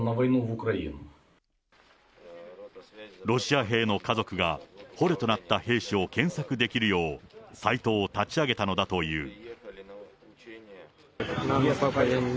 ロシア兵の家族が捕虜となった兵士を検索できるよう、サイトを立ち上げたのだという。